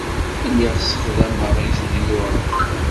Lliɣ ssexdameɣ ijenyuṛen.